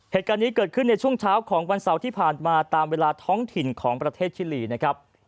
เหตุการณ์นี้เกิดขึ้นในช่วงเช้าของวันเสาร์ที่ผ่านมาตามเวลาท้องถิ่นของประเทศชิลีนะครับ